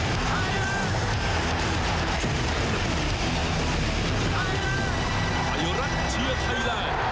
ท้ายแล้ว